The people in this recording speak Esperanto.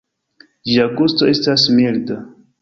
Ĝia gusto estas milda.